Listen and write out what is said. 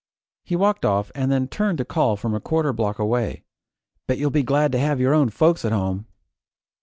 He walked off and then turned to call from a quarter block away, "Bet you'll be glad to have your own folks at home?"